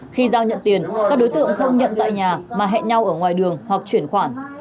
khi giao nhận tiền các đối tượng không nhận tại nhà mà hẹn nhau ở ngoài đường hoặc chuyển khoản